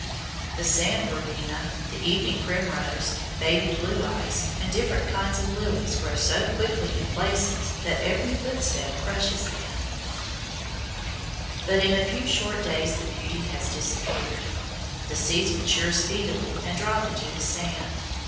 The sand verbena, the evening primrose, baby blue eyes, and different kinds of lilies grow so thickly in places that every footstep crushes them. [Illustration: FIG. 90. YOUNG YUCCAS IN BLOOM] But in a few short days the beauty has disappeared. The seeds mature speedily and drop into the sand.